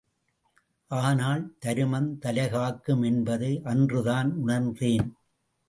ஆனால் தருமம் தலைகாக்கும் என்பதை அன்றுதான் உணர்ந்தேன்.